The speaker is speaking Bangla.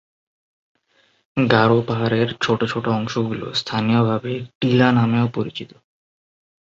গারো পাহাড়ের ছোট ছোট অংশগুলো স্থানীয়ভাবে টিলা নামেও পরিচিত।